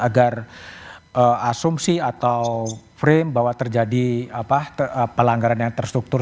agar asumsi atau frame bahwa terjadi pelanggaran yang terstruktur